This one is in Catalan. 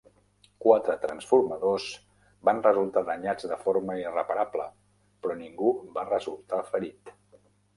Quatre transformadors van resultar danyats de forma irreparable, però ningú va resultar ferit.